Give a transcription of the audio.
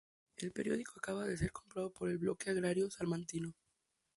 El periódico acababa de ser comprado por el Bloque Agrario Salmantino.